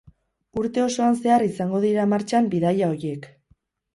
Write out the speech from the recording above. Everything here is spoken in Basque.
Urte osoan zehar izango dira martxan bidaia horiek.